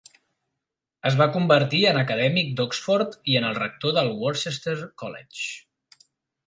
Es va convertir en acadèmic d'Oxford i en el rector del Worcester College.